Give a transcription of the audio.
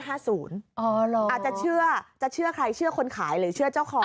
อาจจะเชื่อจะเชื่อใครเชื่อคนขายหรือเชื่อเจ้าของ